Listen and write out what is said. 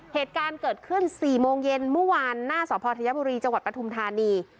เหตุการณ์เกิดขึ้น๔โมงเย็นเมื่อวานหน้าสพธยบุรีจังหวัดปฐุมธานี